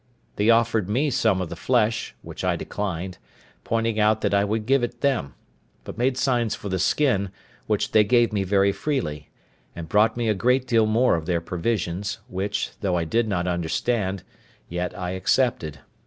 They offered me some of the flesh, which I declined, pointing out that I would give it them; but made signs for the skin, which they gave me very freely, and brought me a great deal more of their provisions, which, though I did not understand, yet I accepted.